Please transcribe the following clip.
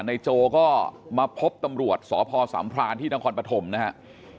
ในโจก็มาพบตำรวจสพสพที่ทางคอนปฐมนะครับ